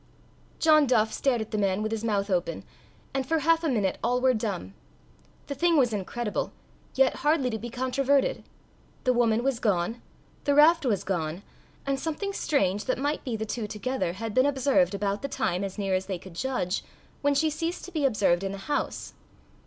John Duff stared at the man with his mouth open, and for half a minute all were dumb. The thing was incredible, yet hardly to be controverted. The woman was gone, the raft was gone, and something strange that might be the two together had been observed about the time, as near as they could judge, when she ceased to be observed in the house.